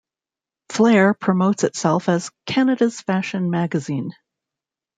"Flare" promotes itself as "Canada's Fashion magazine".